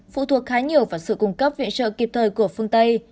phụ thuộc khá nhiều vào sự cung cấp viện trợ kịp thời của phương tây